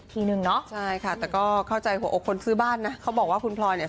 เพราะจริงเราก็ไม่อยากมีปัญหา